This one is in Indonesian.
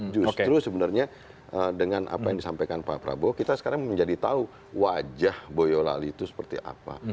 justru sebenarnya dengan apa yang disampaikan pak prabowo kita sekarang menjadi tahu wajah boyolali itu seperti apa